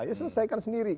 ya selesaikan sendiri